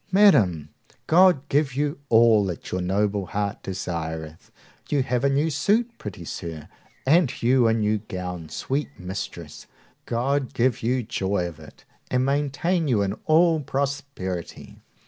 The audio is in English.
Madam, God give you all that your noble heart desireth! You have a new suit, pretty sir; and you a new gown, sweet mistress; God give you joy of it, and maintain you in all prosperity!